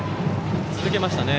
続けましたね。